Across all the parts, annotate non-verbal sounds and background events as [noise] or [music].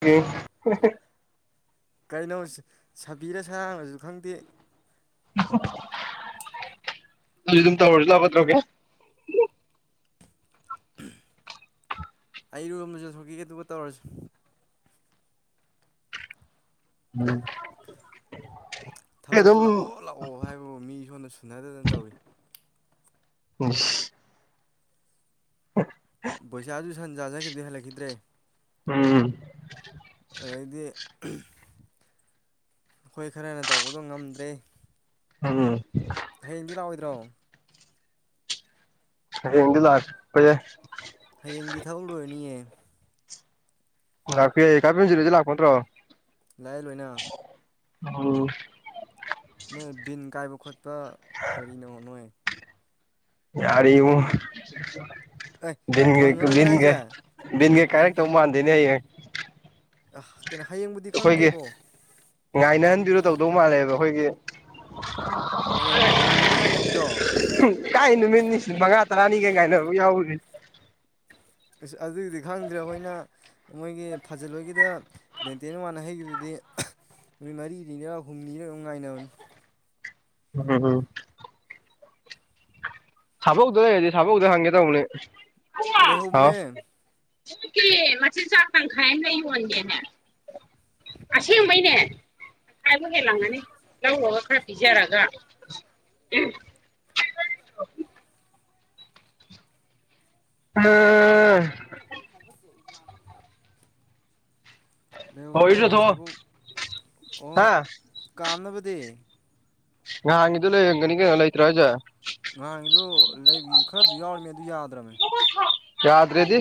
ꯎꯝ ꯀꯩꯅꯣ ꯕꯤꯔꯁꯥꯡꯉꯁꯨ ꯈꯪꯗꯦ ꯑꯗꯨ ꯑꯗꯨ ꯇ ꯍꯧꯔꯁꯨ ꯂꯕꯗ꯭ꯔꯣꯒꯦ [unintelligible] ꯑꯩꯔꯨꯕꯝꯗꯁꯨ ꯊꯣꯛꯀꯤꯒꯦ ꯇꯨꯒ ꯇꯧꯔꯁꯨ ꯎꯝ ꯑꯩ ꯑꯗꯨꯝ ꯊꯕꯛꯇꯣ ꯂꯥꯛꯑꯣ ꯂꯥꯛꯑꯣ ꯍꯥꯏꯕꯕꯨ ꯃꯤ ꯁꯣꯟꯅ ꯁꯨꯅꯗꯗꯅ ꯇꯧꯔꯤ ꯎ [unintelligible] ꯄꯩꯁꯥ ꯑꯗꯨ ꯁꯟ ꯆꯥꯖꯈꯤꯕꯗꯤ ꯍꯜꯂꯛꯈꯤꯗ꯭ꯔꯦ ꯎꯝ ꯑꯣꯏꯗꯤ ꯑꯩꯈꯣꯏ ꯈꯔꯅ ꯇꯧꯕꯗꯣ ꯉꯝꯗ꯭ꯔꯦ ꯎꯝ ꯍꯌꯦꯡꯗꯤ ꯂꯥꯛꯑꯣꯏꯗ꯭ꯔꯣ ꯍꯗꯤ ꯂꯄꯌꯥꯏ ꯍꯌꯦꯡꯗꯤ ꯊꯥꯒꯠꯂꯨꯔꯅꯤꯌꯦ ꯂꯥꯛꯄꯤ ꯑꯩ ꯀꯥꯄꯤꯦꯟꯁꯤꯂꯗꯤ ꯂꯥꯛꯄ ꯅꯠꯇ꯭ꯔꯣ ꯂꯥꯏ ꯂꯣꯏꯅ ꯑꯣ ꯅꯣꯏ ꯕꯤꯟ ꯀꯥꯏꯕ ꯈꯣꯠꯄ ꯀꯔꯤꯅꯣ ꯅꯣꯏ ꯌꯥꯔ ꯑꯦ ꯐꯪꯉꯔꯣꯏꯗ꯭ꯔꯥ ꯍꯥꯏꯁꯦ ꯏꯤꯟꯒꯤꯟꯒ [unintelligible] ꯀꯥꯏꯔꯛꯇꯧ ꯃꯥꯟꯗꯦꯅꯦ ꯍꯌꯦ ꯀꯩꯅꯣ ꯍꯌꯦꯡꯕꯨꯗꯤ ꯈꯪꯗꯦꯀꯣ ꯉꯥꯏꯅꯍꯟꯕꯤꯔꯣ ꯇꯧꯗꯧ ꯃꯥꯜꯂꯦꯕ ꯑꯩꯈꯣꯏꯒꯤ ꯍꯣꯏꯅꯦ ꯅꯣꯡ ꯅꯤꯅꯤ ꯉꯥꯏꯅꯕꯤꯗꯣ [inaudible] ꯀꯥꯏꯅ ꯃꯦꯅꯤ ꯃꯉꯥ ꯇꯔꯥꯅꯤ ꯀꯩ ꯀꯥꯏꯅ ꯑꯃꯨꯛ ꯌꯥꯎꯕꯦ ꯑꯁ ꯑꯗꯨꯒꯤꯗꯤ ꯈꯪꯗ꯭ꯔꯦ ꯑꯩꯈꯣꯏꯅ ꯃꯣꯏꯒꯤ ꯐꯥꯖꯂꯣꯏꯒꯤꯗ ꯂꯦꯡꯇꯦꯟ ꯋꯥꯅ ꯍꯩꯒꯤꯗꯨꯗꯤ ꯅꯨꯃꯤꯠ ꯃꯔꯤꯅꯤꯅꯤꯔ ꯍꯨꯝꯅꯤꯔ ꯗꯨꯝ ꯉꯥꯏꯅꯕꯅꯤ ꯎꯝ ꯎꯝ ꯁꯥꯕ ꯍꯧꯗ ꯂꯩ ꯍꯥꯏꯗꯤ ꯁꯥꯕ ꯍꯧꯗ ꯍꯪꯒꯦ ꯇ ꯍꯅꯦ ꯑꯥꯎ ꯂꯩꯍꯧꯕꯅꯦ [unintelligible] ꯃꯆꯤꯟ ꯆꯥꯛ ꯊꯪꯈꯥꯏꯃꯥ ꯂꯩꯌꯣ ꯌꯣꯟꯒꯦꯅꯦ [unintelligible] ꯑꯁꯦꯡꯕꯩꯅꯦ ꯈꯥꯏꯕ ꯍꯦꯜꯂꯪꯒꯅꯤ ꯂꯧꯔꯒ ꯈꯔ ꯄꯤꯖꯔꯒ [unintelligible] ꯍ [inaudible] ꯎꯝ ꯌ [unintelligible] ꯂꯩꯍꯧꯕꯅꯦ ꯍꯣꯏꯁꯨ ꯂꯩꯍꯧꯕꯥꯅꯦ ꯊꯣꯛꯑꯣ ꯁꯥꯕꯨ ꯑꯣ ꯍꯥ ꯀꯥꯝꯅꯕꯗꯤ ꯉꯍꯟꯒꯤꯗꯣ ꯂꯩꯔꯝꯒꯅꯤ ꯀꯩꯅꯣ ꯂꯩꯇꯔꯣ ꯍꯥꯏꯖꯦ ꯉꯍꯥꯟꯒꯤꯗꯨ ꯂꯩꯗꯤ ꯈꯔꯥꯗꯤ ꯌꯥꯎꯔꯤꯕꯅꯦ ꯑꯗꯨ ꯌꯥꯗ꯭ꯔꯃꯦ꯫ ꯌꯥꯗ꯭ꯔꯦꯗꯤ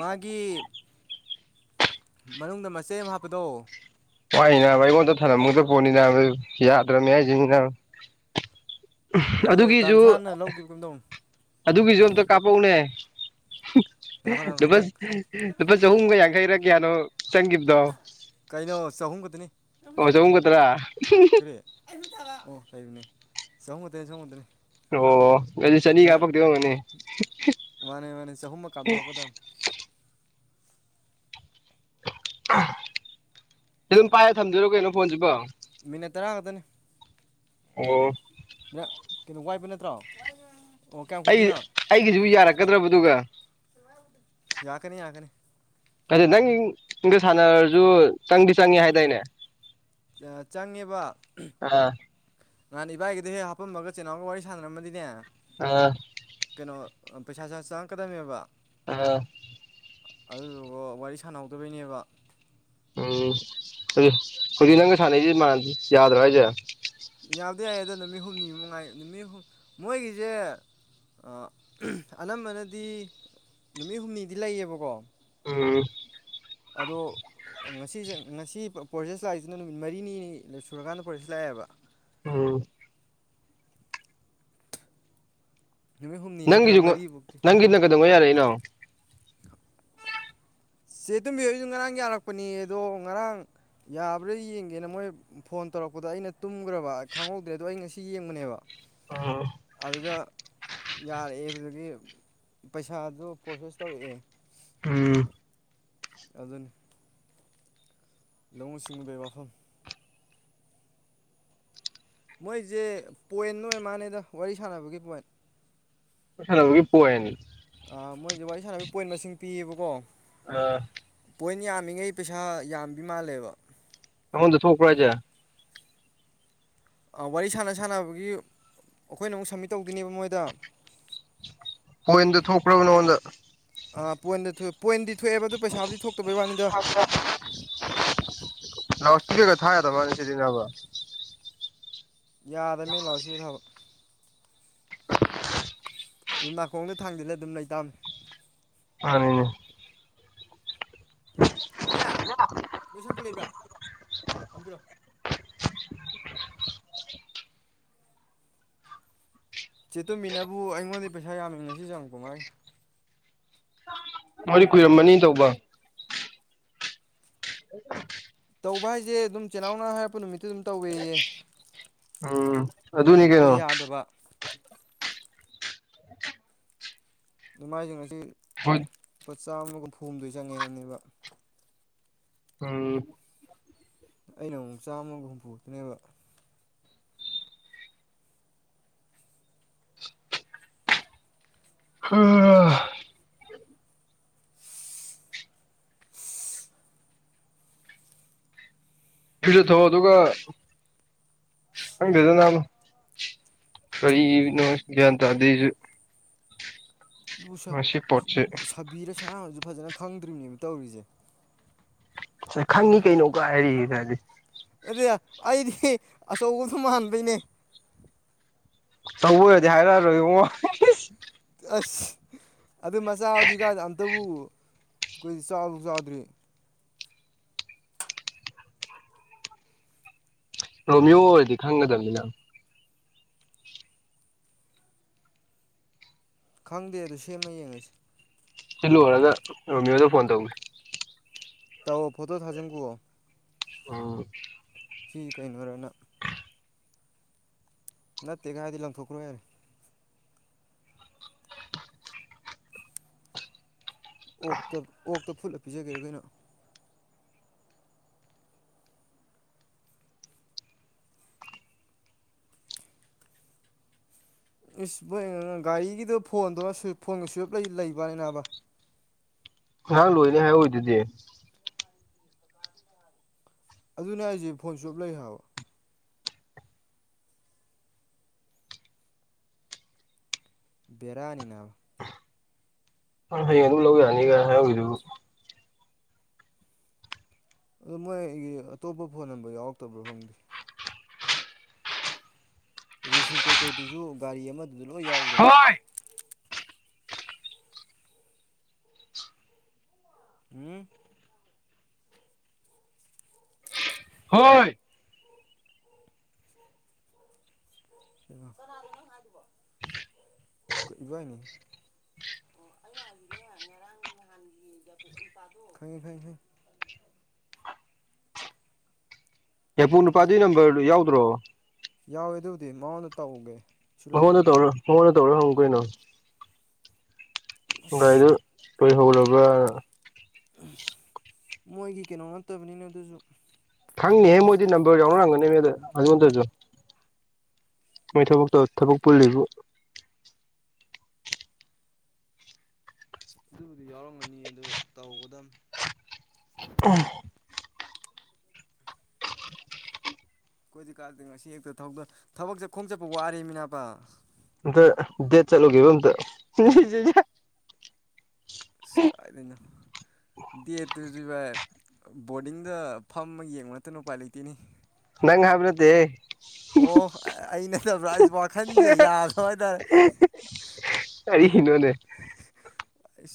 ꯃꯥꯒꯤ ꯃꯅꯨꯡꯗ ꯃꯆꯩ ꯑꯃ ꯍꯥꯞꯄꯗꯣ ꯋꯥꯏꯅꯦꯅꯕ ꯑꯩꯉꯣꯟꯗ ꯊꯔꯝꯒꯥꯗꯕꯥ ꯄꯣꯠꯅꯤ ꯅꯥ ꯌꯥꯗ꯭ꯔꯕꯅꯤ ꯍꯥꯏꯁꯤꯅꯤ ꯑꯗꯨ ꯇꯝꯁꯥꯅ ꯂꯧꯈꯤ ꯒꯨꯝ ꯇꯧꯕꯥꯅꯦ꯫ ꯑꯗꯨꯒꯤ ꯃꯤꯗꯨ ꯀꯥꯞꯄꯥꯛꯑꯣꯅꯦ꯫ ꯉꯥꯏꯈꯣ ꯂꯨꯄꯥ ꯍꯟꯗꯛ ꯂꯨꯄꯥ ꯆꯍꯨꯝꯒ ꯌꯥꯡꯈꯩꯔ ꯀꯌꯥꯅꯣ? ꯆꯪꯈꯤꯕꯗꯣ ꯀꯩꯅꯣ ꯆꯍꯨꯝ ꯈꯛꯇꯅꯤ꯫ ꯑꯣ ꯆꯥꯍꯨꯝ ꯈꯛꯇꯔꯥ ꯀꯔꯤ ꯑꯣ ꯆꯥꯍꯨꯝ ꯈꯛꯇꯥ ꯅꯦ ꯅꯦ ꯑꯣ ꯑꯗꯨꯗꯤ ꯆꯅꯤ ꯀꯥꯞꯄꯛꯇꯣꯏ ꯑꯣꯏꯔꯝꯒꯅꯤ ꯃꯥꯅꯦ ꯃꯥꯅꯦ ꯆꯍꯨꯝ ꯃꯛ ꯀꯞꯊꯣꯛ ꯂꯛꯀꯗꯕꯅꯦ꯫ ꯑꯗꯨꯝ ꯄꯥꯏꯔ ꯊꯝꯗꯣꯏꯔꯣ ꯀꯩꯅꯣ ꯐꯣꯟꯁꯤꯕꯣ? ꯃꯤꯅꯠ ꯇꯔꯥ ꯈꯛꯇꯅꯦ꯫ ꯑꯣ ꯋꯥꯏꯕ ꯅꯠꯇ꯭ꯔꯣ? ꯑꯣ ꯀꯌꯥꯝ ꯑꯩ ꯀꯨꯏꯗꯣꯏꯅꯣ ꯑꯩꯒꯤꯁꯨ ꯌꯥꯔꯛꯀꯗ꯭ꯔꯕꯗꯨꯒ ꯌꯥꯔꯛꯀꯅꯤ ꯌꯥꯔꯛꯀꯅꯤ꯫ ꯑꯗꯨ ꯅꯪꯒ ꯁꯥꯟꯅꯔꯁꯨ ꯆꯪꯗꯤ ꯆꯪꯉꯦ ꯍꯥꯏꯇꯥꯏꯅꯦ ꯆꯪꯉꯦꯕ ꯑꯥ ꯅꯍꯥꯟ ꯏꯕꯥꯏꯒꯤꯗꯣ ꯍꯦꯛ ꯍꯥꯄꯝꯃꯒ ꯆꯦꯅꯥꯎꯒ ꯋꯥꯔꯤ ꯁꯥꯟꯅꯔꯝꯃꯗꯤꯅꯦ ꯑꯥ ꯀꯩꯅꯣ ꯄꯩꯁꯥ ꯁꯦ ꯆꯪꯉꯛꯀꯗꯕꯅꯦꯕ꯫ ꯑꯥ ꯑꯗꯨꯗꯨꯒ ꯋꯥꯔꯤ ꯁꯥꯟꯅꯍꯧꯗꯕꯩꯅꯦꯕ ꯎꯝ ꯍꯧꯖꯤꯛ ꯅꯪꯒ ꯁꯥꯟꯅꯩꯁꯦ ꯌꯥꯗ꯭ꯔꯣ ꯍꯥꯏꯁꯦ? ꯑꯗꯨ ꯌꯥꯏꯌꯦ ꯑꯗꯣ ꯅꯨꯃꯤꯠ ꯍꯨꯝꯅꯤ ꯃꯉꯥꯏ ꯅꯨꯃꯤꯠ ꯍꯨꯝꯅꯤ ꯃꯣꯏꯒꯤꯁꯦ ꯑꯥ ꯎꯃ ꯑꯅꯝꯕꯅꯗꯤ ꯅꯨꯃꯤꯠ ꯍꯨꯝꯅꯤꯗꯤ ꯂꯩꯌꯦꯕꯀꯣ ꯎꯝ ꯑꯗꯣ ꯉꯁꯤꯁꯦ ꯉꯁꯤ ꯄ꯭ꯔꯣꯁꯦꯁ ꯂꯥꯛꯏꯁꯤꯅ ꯅꯨꯃꯤꯠ ꯃꯔꯤꯅꯤ ꯁꯨꯔꯀꯥꯟꯗ ꯄ꯭ꯔꯣꯁꯦꯁ ꯂꯥꯛꯑꯦꯕ꯫ ꯎ [unintelligible] ꯅꯨꯃꯤꯠ ꯍꯨꯝꯅꯤ ꯅꯠꯇ꯭ꯔꯒ ꯅꯪꯒꯤꯁꯨ ꯃꯔꯤꯐꯧꯗꯤ ꯅꯪꯒꯤꯅ ꯀꯩꯗꯧꯉꯩ ꯌꯥꯔꯛꯏꯅꯣ? ꯆꯦ ꯇꯨꯝꯕꯤ ꯍꯣꯏꯁꯨ ꯉꯔꯥꯡ ꯌꯥꯔꯛꯄꯅꯦ ꯑꯗꯣ ꯉꯔꯥꯡ ꯌꯥꯕ꯭ꯔꯥ ꯌꯦꯡꯒꯦꯅ ꯃꯣꯏ ꯐꯣꯟ ꯇꯧꯔꯛꯄꯗꯣ ꯑꯩꯅ ꯇꯨꯝꯈ꯭ꯔꯕ ꯈꯪꯍꯧꯗ꯭ꯔꯦ ꯑꯗꯣ ꯑꯩ ꯉꯁꯤ ꯌꯦꯡꯕꯅꯦꯕ ꯎꯝ ꯑꯗꯨꯗ ꯌꯥꯔꯛꯑꯦꯕꯒꯤ ꯄꯩꯁꯥꯗꯨ ꯄ꯭ꯔꯣꯁꯦꯁ ꯇꯧꯔꯛꯑꯦ ꯎꯝ ꯑꯗꯨꯅ ꯂꯧꯎ ꯁꯤꯡꯎꯕꯒꯤ ꯋꯥꯐꯝ ꯃꯣꯏꯁꯦ ꯄꯣꯏꯟ ꯑꯣꯏꯔ ꯃꯥꯅꯦꯗ ꯋꯥꯔꯤ ꯁꯥꯟꯅꯕꯒꯤ ꯄꯣꯏꯟ ꯁꯅꯕꯨ ꯄꯣꯑꯦꯅꯤ ꯃꯣꯏꯁ ꯕꯥ ꯏꯁ ꯁꯥꯟꯅꯕꯒꯤ ꯄꯣꯏꯟ ꯃꯁꯤꯡ ꯄꯤꯌꯦꯕꯀꯣ ꯑꯥ ꯄꯣꯏꯟ ꯌꯥꯝꯃꯤꯉꯩ ꯄꯩꯁꯥ ꯌꯥꯝꯕ ꯃꯥꯜꯂꯦꯕ ꯗ ꯊꯣꯈ ꯔꯖ ꯋꯥꯔꯤ ꯁꯥꯟꯅ ꯁꯥꯟꯅꯕꯒꯤ ꯑꯩꯈꯣꯏꯅ ꯑꯃꯨꯛ ꯁꯝꯃꯤꯠ ꯇꯧꯗꯣꯏꯅꯦꯕ ꯃꯣꯏꯗ ꯍꯣꯏꯗꯨ ꯊꯣꯡꯈꯔꯕꯅꯣꯣꯗ ꯑꯥ ꯄꯣꯏꯟꯗꯑ ꯄꯣꯏꯟꯗꯤ ꯊꯣꯛꯑꯦꯕ ꯑꯗꯨ ꯄꯩꯁꯥꯕꯨꯗꯤ ꯊꯣꯛꯇꯕꯩ ꯋꯥꯅꯤꯗ ꯅ ꯊ ꯀꯩ ꯊ ꯍꯥꯏ ꯇ ꯃꯅꯤ ꯁꯤꯗ ꯑꯕ ꯌꯥꯗꯃꯦ ꯂꯥꯛꯁꯨ ꯊꯕ ꯑꯗꯨꯝ ꯅꯥꯀꯣꯡꯗ ꯊꯥꯡꯖꯤꯜꯂ ꯑꯗꯨꯝ ꯂꯩꯇꯥꯕꯅꯤ ꯑꯅꯦꯅꯦ ꯅꯦ ꯂꯣꯏꯁꯟ ꯄꯨꯕ꯭ꯔꯥ ꯑꯝꯕꯤꯔꯣ ꯆꯦꯠꯇꯨꯝꯃꯤꯅꯕꯨ ꯑꯩꯉꯣꯟꯗ ꯄꯩꯁꯥ ꯌꯥꯝꯃꯤꯡ ꯉꯁꯤꯁꯨꯦ ꯌꯥꯝꯨꯛ ꯀꯃꯥꯏ ꯃꯣꯏꯗꯤ ꯀꯨꯏꯔꯝꯃꯅꯤ ꯇꯧꯕ ꯇꯧꯕ ꯍꯥꯏꯁꯦ ꯑꯗꯨꯝ ꯆꯤꯜꯅꯥꯎꯅꯅꯥ ꯍꯥꯏꯔꯛꯄ ꯅꯨꯃꯤꯠꯇꯨ ꯑꯗꯨꯝ ꯇꯧꯋꯦꯌꯦ ꯎꯝ ꯑꯗꯨꯅꯤ ꯑꯗꯨꯒ ꯀꯩꯅꯣ ꯌꯥꯗꯕ ꯏꯃꯥꯏꯁꯤꯡ ꯑꯁꯤ ꯍꯣꯏ ꯂꯨꯄꯥ ꯆꯥꯝꯃꯒ ꯍꯨꯝꯐꯨ ꯍꯨꯝꯗꯣꯏ ꯆꯪꯉꯦ ꯍꯥꯏꯅꯦꯕ ꯎꯝ ꯑꯩꯅ ꯑꯃꯨꯛ ꯆꯥꯝꯃꯒ ꯍꯨꯝꯐꯨꯛꯇꯅꯦꯕ ꯐꯤꯖ ꯊꯣꯛꯣꯛꯑꯣ ꯑꯗꯨꯒ ꯈꯪꯗꯗꯅ ꯀꯔꯤꯅꯣ ꯭ꯌꯥꯟ ꯇꯥꯗꯁꯨ ꯑꯁꯤ ꯄꯠꯁ ꯏꯁꯥꯅꯁꯨ ꯐꯖꯅ ꯈꯪꯗ꯭ꯔꯤꯕꯅꯦ ꯇꯧꯔꯤꯁꯦ ꯁ ꯈꯪꯉꯤ ꯀꯩꯅꯣꯒ ꯍꯥꯏꯔꯤ ꯍꯥꯏꯗꯤ ꯑꯗꯨ ꯑꯩꯗꯤ ꯑꯆꯧꯕꯁꯨ ꯃꯗꯣꯏꯅꯦ ꯇꯧꯕ ꯑꯣꯏꯔꯗꯤ ꯍꯥꯏꯔꯛꯑꯔꯣꯏꯡ ꯑꯁ ꯑꯗꯨ ꯃꯆꯥꯕꯨꯗꯤ ꯀꯥꯏꯗ ꯑꯝꯇꯕꯨ ꯑꯩꯈꯣꯏꯗꯤ ꯆꯥꯎꯕ ꯆꯥꯎꯗ꯭ꯔꯤ ꯔꯣꯃꯤꯌꯣ ꯑꯣꯏꯔꯗꯤ ꯈꯪꯒꯗꯕꯅꯤꯅ ꯈꯪꯗꯦ ꯑꯗꯨ ꯁꯦꯝꯃ ꯌꯦꯡꯉꯁꯤ ꯁꯤ ꯂꯣꯏꯔꯒꯃꯤꯣꯟꯗ ꯐꯣꯟ ꯇꯧꯒ ꯇꯑꯣ ꯐꯇꯣ ꯊ ꯍꯖꯝ ꯀ ꯑꯥ ꯁꯤ ꯀꯩꯅꯣꯔꯅ ꯅꯠꯇꯦꯒꯥꯏꯗꯤ ꯂꯪꯊꯣꯛꯈ꯭ꯔꯣ ꯌꯥꯔꯦ ꯑꯣꯛꯇ ꯑꯣꯛꯇ ꯐꯨꯠꯂ ꯄꯤꯖꯒꯦꯔ ꯀꯩꯅꯣ ꯏꯁ ꯃꯣꯏ ꯒꯥꯔꯤꯒꯤꯗꯣ ꯐꯣꯟꯗꯣ ꯐꯣꯟꯒꯤ ꯁꯨꯋꯞ ꯂꯩꯕ꯭ꯔꯅꯤꯅꯥꯕ ꯉ ꯂꯣꯏꯅꯦ ꯍꯥꯏꯑꯣꯏꯗꯨꯗꯤ ꯑꯗꯨꯅꯦ ꯑꯩꯁꯦ ꯐꯣꯟ ꯁꯨꯞꯞ ꯂꯩ ꯍꯥꯏ꯭ꯔꯕ ꯕꯦꯔꯅꯤꯅ ꯍꯣꯏ ꯍꯌꯦꯡ ꯑꯗꯨꯝ ꯂꯧ ꯌꯥꯅꯤꯒꯥꯏ ꯍꯥꯏꯗꯨ ꯑꯣ ꯃꯣꯏꯒꯤ ꯑꯇꯣꯞꯄ ꯐꯣꯟ ꯅꯝꯕꯔ ꯌꯥꯎꯔꯛꯇꯕ꯭ꯔꯣ ꯐꯪꯗꯦ ꯔꯤꯁꯤꯞ ꯀꯩꯀꯩꯗꯨꯁꯨ ꯒꯥꯔꯤ ꯑꯃꯗꯨꯗ ꯂꯣꯏ ꯌꯥꯎꯈ꯭ꯔꯕ ꯍꯣꯏ ꯎꯝ ꯍꯣꯏ ꯀꯕꯥꯏꯅꯤ ꯑꯣ ꯑꯩꯅ ꯍꯥꯏꯁꯤꯅꯦ ꯉꯔꯥꯡ ꯅꯍꯥꯟꯒꯤ [unintelligible] ꯌꯥꯏꯄꯨ ꯅꯨꯄꯥꯗꯨ ꯅꯝꯕꯔꯗꯨ ꯌꯥꯎꯗ꯭ꯔꯣ ꯌꯥꯎꯋꯦ ꯑꯗꯨꯕꯨꯗꯤ ꯃꯉꯣꯟꯗ ꯇꯧꯒꯦ ꯁꯤ ꯂꯣꯏꯕꯒ ꯃꯉꯣꯟꯗ ꯇꯧꯔꯣ ꯃꯉꯣꯟꯗ ꯇꯧꯔꯣ ꯍꯪ ꯀꯩꯅꯣ ꯑꯁ ꯒꯥꯔꯤꯗ ꯇꯣꯏ ꯍꯧꯕ ꯂꯔꯕ ꯃꯣꯏꯒꯤ ꯀꯩꯅꯣ ꯅꯠꯇꯕꯅꯤꯅ ꯑꯗꯨꯁꯨ ꯈꯪꯅꯤꯍꯦ ꯃꯣꯏꯗꯤ ꯅꯝꯕꯔ ꯌꯥꯎꯅꯔꯝꯒꯅꯤ ꯃꯗ ꯑꯗꯨꯉꯣꯟꯗꯁꯨ ꯃꯣꯏ ꯊꯕꯣꯛꯛ ꯇ ꯊꯕꯨꯛ ꯄꯨꯂꯤꯔꯤꯕ ꯑꯗꯨꯕꯨꯗꯤ ꯌꯥꯎꯔꯝꯒꯅꯤ ꯑꯗꯨꯗ ꯇꯧꯒꯗ ꯀꯣꯏꯗꯤ ꯀꯥꯗꯦ ꯉꯁꯤ ꯍꯦꯛꯇꯗ ꯊꯕꯛ ꯆꯠ ꯈꯣꯝ ꯆꯠꯄ ꯋꯥꯔꯦꯃꯤꯅꯥꯄꯥ ꯑꯗ ꯗꯦ ꯆꯂꯨ ꯀꯇ ꯁꯀꯥꯏꯗꯅ ꯗꯦꯠꯇꯨꯁꯤ ꯚꯏ ꯕꯣꯔꯗꯤꯡꯗ ꯐꯝꯃ ꯌꯦꯡꯕ ꯅꯠꯇꯅ ꯎꯄꯥꯏ ꯂꯩꯇꯦꯅꯤ ꯅꯪ ꯍꯥꯏꯕ ꯅꯗꯤꯦ ꯑꯣ ꯑꯩ ꯅꯠꯇꯕ꯭ꯔꯥ ꯑꯩꯁ ꯋꯥꯈꯟꯁꯦ ꯌꯥꯗꯕ ꯍꯥꯏꯇꯥꯔꯦ ꯀꯔꯤꯅꯣꯅꯦ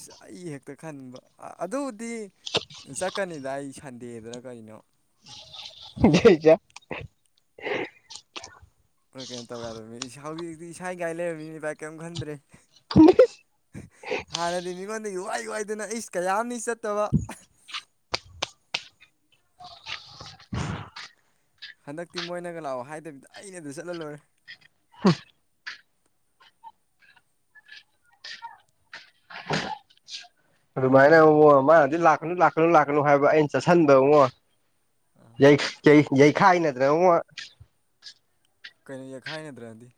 ꯁ ꯑꯩ ꯍꯦꯛꯇ ꯈꯟꯕ ꯑꯗꯨꯗꯤ ꯆꯠꯀꯅꯤꯗ ꯑꯩ ꯁꯟꯗꯦꯗꯅ ꯀꯩꯅꯣ ꯣꯏ ꯆ ꯍꯣꯏ ꯀꯩꯅꯣ ꯇꯧꯒꯗꯕꯅꯤ ꯏꯁꯥꯎꯒꯤꯛꯇꯤ ꯏꯁꯥ ꯏꯒꯥꯏ ꯂꯩꯔꯕꯃꯤꯅꯤ ꯚꯥꯏ ꯀꯔꯤꯝ ꯈꯟꯗ꯭ꯔꯦ ꯍꯥꯟꯅꯗꯤ ꯃꯤꯉꯣꯟꯗ ꯏ ꯋꯥꯏꯨ ꯋꯥꯏꯗꯨꯅ ꯏꯁ ꯀꯌꯥ ꯑ ꯆꯠꯇꯕ [unintelligible] ꯍꯟꯗꯛꯇꯤ ꯃꯣꯏꯅꯒ ꯂꯥꯛꯑꯣ ꯍꯥꯏꯗꯕꯤꯗ ꯑꯩꯅ ꯑꯗꯨ ꯆꯠꯍꯜꯂꯨꯔꯦ ꯑꯗꯨꯃꯥꯏꯅ ꯑꯃꯨꯣ ꯃꯥꯅꯗꯤ ꯂꯥꯛꯀꯅꯨ ꯂꯥꯛꯀꯅꯨ ꯂꯥꯛꯀꯅꯨ ꯍꯥꯏꯕ ꯑꯩꯅ ꯆꯠꯁꯤꯟꯗ ꯑꯃꯃꯣ ꯌ ꯌꯏ ꯈ ꯅꯠꯇ꯭ꯔꯦꯨ ꯀꯩꯅꯣ ꯌꯦꯈꯥꯏꯅꯗ꯭ꯔꯗꯤ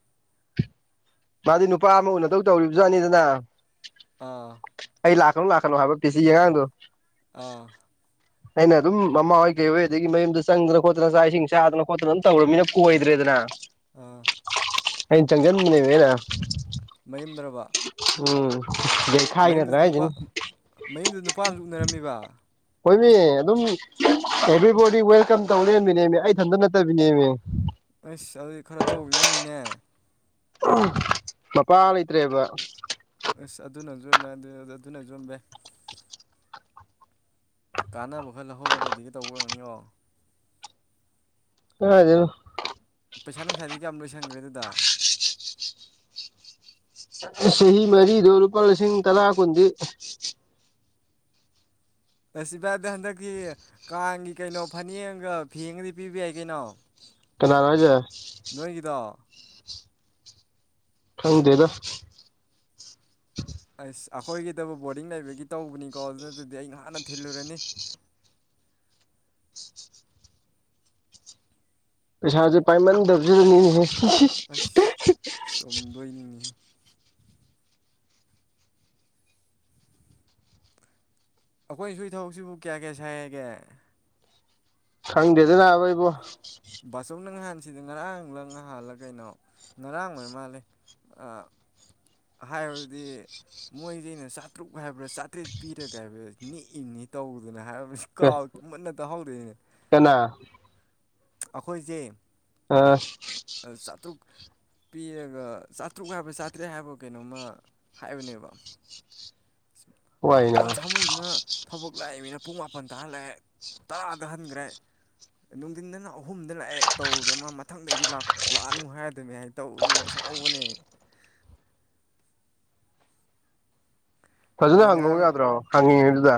ꯃꯥꯗꯤ ꯅꯨꯄꯥ ꯑꯃ ꯎꯅꯗꯧ ꯇꯧꯔꯤꯕꯖꯥꯠꯅꯤꯗꯅ ꯑꯥ ꯑꯩ ꯂꯥꯛꯀꯅꯨ ꯂꯥꯛꯀꯅꯣ ꯍꯥꯏꯕ ꯄꯤꯁꯤ ꯌꯦꯦꯒꯥꯡꯗꯣ ꯑꯥ ꯑꯩꯅ ꯑꯗꯨꯝ ꯃꯃꯥ ꯍꯣꯏ ꯀꯩ ꯍꯣꯏ ꯑꯗꯒꯤ ꯃꯌꯨꯝꯗꯣ ꯆꯪꯗꯅ ꯈꯣꯠꯇꯅ ꯆꯥꯛ ꯏꯁꯤꯡ ꯆꯥꯗꯅ ꯈꯣꯠꯇꯅ ꯑꯗꯨꯝ ꯇꯧꯔꯃꯤꯅ ꯀꯣꯏꯗ꯭ꯔꯦꯗꯅ ꯑꯥ ꯑꯦ ꯆꯪꯖꯟꯃꯅꯤꯦꯅ ꯃꯌꯨꯝꯗ꯭ꯔꯕ ꯌꯩꯈꯥꯏꯅꯗ꯭ꯔꯥ ꯃꯌꯨꯝꯗꯨꯗ ꯅꯨꯄꯥ ꯍꯥꯏꯁꯤꯅꯤ ꯃꯌꯨꯝꯗꯨꯗ ꯅꯨꯄꯥ ꯑꯃ ꯂ ꯎꯅꯔꯝꯃꯤꯕ ꯍꯣꯏꯃꯦ ꯑꯗꯨꯝ ꯑꯦꯚ꯭ꯔꯤ ꯣꯗꯤ ꯋꯦꯜꯀꯝ ꯇꯧꯔꯃꯤꯅꯦꯃꯦ ꯑꯩ ꯏꯊꯟꯇ ꯅꯠꯇꯕꯤꯅꯦꯃꯦ ꯑꯩꯁ ꯑꯗꯨꯗꯤ ꯈꯔ ꯇꯧꯤꯅꯨꯅꯤꯅꯦ ꯃꯄꯥ ꯍꯥꯂꯇ꯭ꯔꯦ ꯏꯕ ꯏꯁꯁ ꯑꯗꯨꯅ ꯌꯣꯝꯃꯦ ꯑꯗꯨꯅ ꯌꯣꯝꯃꯦ ꯀꯥꯟꯅꯕ ꯈꯔ ꯂꯧꯍꯧꯔꯒꯗꯤꯒ ꯇꯧꯕ ꯑꯣꯏꯔꯝꯅꯤꯀꯣ ꯑ ꯑꯗꯨ ꯗ ꯆꯍꯤ ꯃꯔꯤꯗꯨꯣ ꯂꯨꯄꯥ ꯂꯤꯁꯤꯡ ꯇꯔꯥ ꯀꯨꯟꯗꯤ ꯑꯁꯤ ꯚꯥꯏꯗ ꯍꯟꯗꯛꯀꯤ ꯀꯥꯡꯒꯤ ꯀꯩꯅꯣ ꯐꯅꯦꯛꯒ ꯐꯦꯡꯒꯗꯤ ꯄꯤꯕ ꯌꯥꯏ ꯀꯩꯅꯣ ꯀꯅꯔꯥꯖ ꯅꯣꯏꯒꯤꯗꯣ ꯐꯪꯪꯗꯦꯗ ꯑꯁ ꯑꯩꯈꯣꯏꯒꯤꯗꯕꯨ ꯕꯣꯔꯗꯤꯡ ꯂꯩꯕꯒꯤ ꯇꯧꯕꯅꯤꯀꯣ ꯑꯗꯨꯅ ꯑꯗꯨꯗꯤ ꯑꯩꯍꯥꯟꯅ ꯊꯤꯜꯂꯨꯔꯅꯤ [unintelligible] ꯄꯩꯁꯥꯖꯤ ꯄꯥꯏ ꯗꯔꯁꯤꯅꯤꯅꯤꯁꯤꯦ ꯑꯁ ꯆꯣꯝꯗꯣꯏꯅꯤꯅꯤ ꯑꯩꯈꯣꯏ ꯁꯏ ꯊꯕꯛꯁꯤꯕꯨ ꯀꯌꯥ ꯀꯌꯥ ꯁꯥꯏꯒꯦ ꯍꯪꯗꯦꯗꯅꯕꯩꯕꯣ ꯕꯥꯁꯧꯅꯪ ꯍꯥꯏꯥꯟ ꯁꯤꯗ ꯉꯔꯥꯡꯂ ꯉꯍꯥꯟꯜꯂꯒ ꯀꯩꯅꯣ ꯉꯔꯥꯡꯕꯅ ꯃꯥꯜꯂꯦ ꯍꯥꯏꯕꯗꯤ ꯃꯣꯏꯁꯤ ꯑꯩꯅ ꯆꯥꯇ꯭ꯔꯨꯛ ꯍꯥꯏꯕ꯭ꯔꯥ ꯆꯥꯇ꯭ꯔꯦꯠ ꯄꯤꯔꯒ ꯍꯥꯏꯕ꯭ꯔꯥ ꯅꯤꯛꯏꯪꯅꯤ ꯇꯧꯗꯅ ꯍꯥꯏꯕꯥ ꯀꯥ ꯃꯟꯅ ꯇ ꯍꯜꯗ ꯀꯅꯥ ꯑꯩꯈꯣꯏꯁꯦ ꯑꯥ ꯆꯥꯇ꯭ꯔꯨꯛ ꯄꯤꯔꯒ ꯆꯥꯇ꯭ꯔꯨꯛ ꯍꯥꯏꯕ ꯆꯥꯇ꯭ꯔꯦꯠ ꯍꯥꯏꯕ ꯀꯩꯅꯣꯝꯃ ꯍꯥꯏꯕꯅꯦꯕ ꯋꯥꯏꯅ ꯃꯥꯝꯇꯣꯟ ꯁꯥꯃꯨꯗꯨꯅ ꯊꯕꯛ ꯂꯥꯛꯏꯃꯤꯅ ꯄꯨꯡ ꯃꯥꯄꯟ ꯇꯥꯍꯜꯂꯛꯑꯦ ꯇꯔꯥꯗ ꯍꯟꯈ꯭ꯔꯦ ꯅꯨꯡꯊꯤꯟꯗꯅ ꯑꯍꯨꯝꯗ ꯂꯥꯛꯑꯦ ꯇꯧꯗꯅ ꯃꯥ ꯃꯊꯪꯗꯩꯗꯤ ꯂꯥꯛꯑꯅꯨ ꯍꯥꯏꯔꯗꯅꯦ ꯍꯥꯏ ꯇꯧ ꯂꯧꯕꯅꯦ ꯃꯣꯏ ꯐꯖꯅ ꯍꯪꯉꯧ ꯉꯔꯥꯡ ꯌꯥꯗ꯭ꯔꯣ ꯍꯪꯉꯤꯉꯤꯗꯨꯗ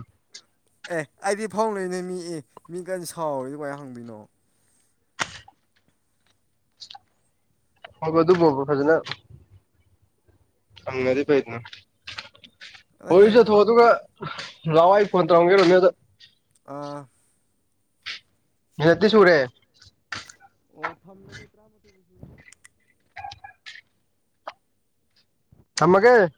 ꯑꯦ ꯑꯩꯗꯤ ꯐꯥꯎꯅꯩꯅꯦꯣꯏ ꯃꯤꯑ ꯃꯤ ꯀ ꯁꯥꯎꯔ ꯀꯥꯏ ꯍꯪꯗꯣꯏꯅꯣ ꯍꯕ ꯑꯗꯨꯨ ꯣꯕ ꯐꯖꯅ ꯑꯪꯗꯤ ꯄꯥꯏꯅ ꯑꯗ ꯣꯏꯁꯠ ꯍꯌꯦꯡ ꯍ ꯑꯗꯨꯨ ꯀ ꯂꯋꯥꯏꯄꯟ ꯇ꯭ꯔꯒꯦꯗ ꯑꯥ ꯗꯤ ꯁꯨꯔꯦ ꯑꯣ ꯊꯝꯃꯦ ꯇꯔꯥꯃ ꯆꯃꯒꯦ